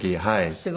すごい。